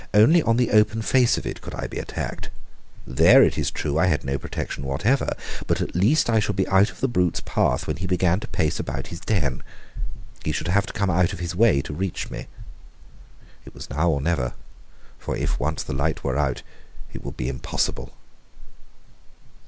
Only on the open face of it could I be attacked. There, it is true, I had no protection whatever; but at least, I should be out of the brute's path when he began to pace about his den. He would have to come out of his way to reach me. It was now or never, for if once the light were out it would be impossible.